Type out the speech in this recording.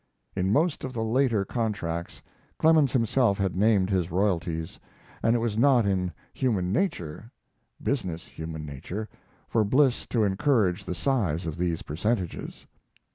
In most of the later contracts Clemens himself had named his royalties, and it was not in human nature business human nature for Bliss to encourage the size of these percentages.